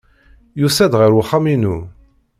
Yusa-d ɣer uxxam-inu.